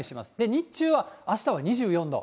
日中はあしたは２４度。